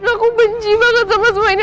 aku benci banget sama semua ini